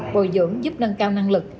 bồi dưỡng giúp nâng cao năng lực